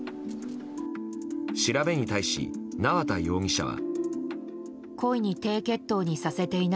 調べに対し縄田容疑者は。